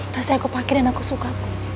pasti aku pake dan aku suka